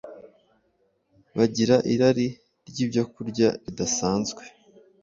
bagira irari ryibyokurya ridasanzwe